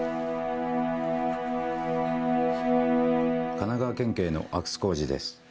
神奈川県警の阿久津浩二です。